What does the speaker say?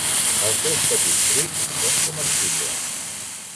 Els seus petits fruits són comestibles.